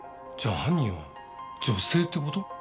じゃあ犯人は女性って事？